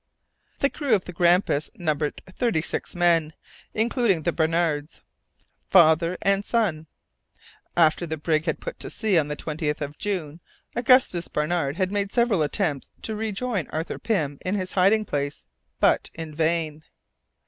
The crew of the Grampus numbered thirty six men, including the Barnards, father and son. After the brig had put to sea on the 20th of June, Augustus Barnard had made several attempts to rejoin Arthur Pym in his hiding place, but in vain.